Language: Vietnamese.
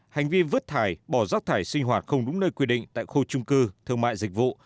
hành vi vứt thải bỏ rác thải sinh hoạt không đúng nơi quy định tại khu trung cư thương mại dịch vụ